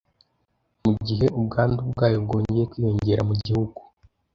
mu gihe ubwandu bwayo bwongeye kwiyongera mu gihugu.